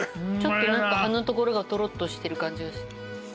ちょっと葉のところがとろっとしてる感じが。